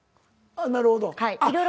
なるほど。